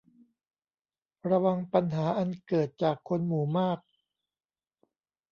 ระวังปัญหาอันเกิดจากคนหมู่มาก